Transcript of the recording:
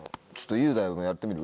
雄大もやってみる？